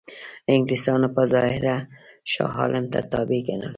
انګلیسانو په ظاهره شاه عالم ته تابع ګڼل.